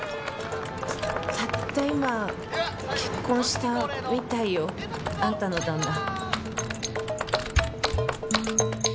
たった今結婚したみたいよ。あんたの旦那。